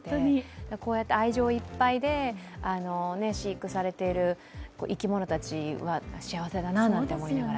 こうやって愛情いっぱいで飼育されている生き物たちは幸せだななんて思いながら。